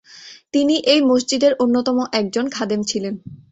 তিনি এই মসজিদের অন্যতম একজন খাদেম ছিলেন।